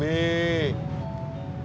telepon balik atu pur